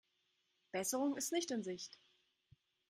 Besserung ist nicht in Sicht.